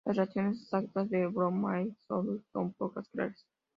Las relaciones exactas de "Dromaeosaurus" son poco claras.